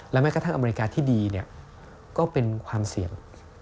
แม้กระทั่งอเมริกาที่ดีก็เป็นความเสี่ยง